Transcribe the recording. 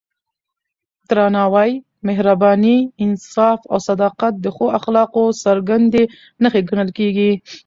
درناوی، مهرباني، انصاف او صداقت د ښو اخلاقو څرګندې نښې ګڼل کېږي.